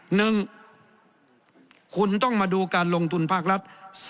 หนึ่งคุณต้องมาดูการลงทุนภาครัฐ